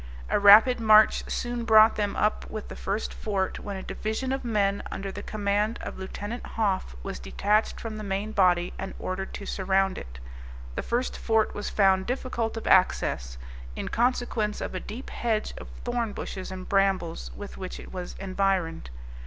A rapid march soon brought them up with the first fort, when a division of men, under the command of Lieut. Hoff, was detached from the main body, and ordered to surround it. The first fort was found difficult of access, in consequence of a deep hedge of thorn bushes and brambles with which it was environed.